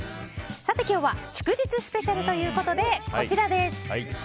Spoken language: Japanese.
今日は祝日スペシャルということで、こちらです！